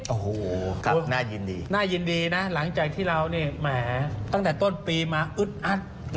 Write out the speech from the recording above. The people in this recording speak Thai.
โอ้โหน่ายินดีน่ายินดีนะหลังจากที่เรานี่แหมตั้งแต่ต้นปีมาอึดอัด